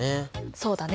そうだね。